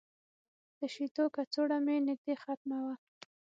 د شیدو کڅوړه مې نږدې ختمه وه.